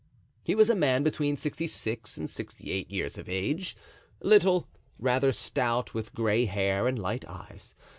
He was a man between sixty six and sixty eight years of age, little, rather stout, with gray hair and light eyes.